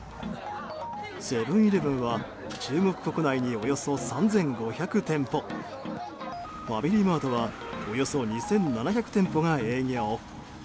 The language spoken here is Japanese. セブン‐イレブンは中国国内に、およそ３５００店舗ファミリーマートはおよそ２７００店舗が営業。